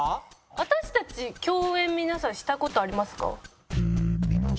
私たち共演皆さんした事ありますか？